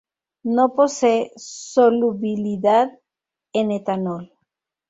No posee solubilidad en etanol.